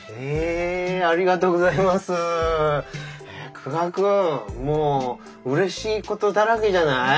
久我君もううれしいことだらけじゃない？